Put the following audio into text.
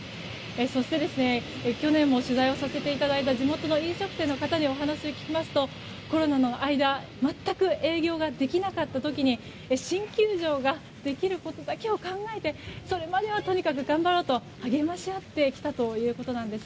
そして、去年も取材をさせていただいた地元の飲食店の方に伺いますとコロナの間全く営業ができなかった時に新球場ができることだけを考えてそれまではとにかく頑張ろうと励まし合ってきたということです。